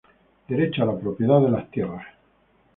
Derecho a la propiedad de las tierras.